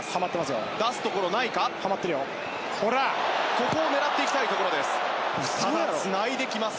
ここを狙っていきたいところです。